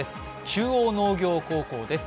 中央農業高校です。